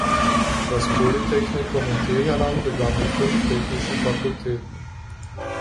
Das Polytechnikum in Teheran begann mit fünf technischen Fakultäten.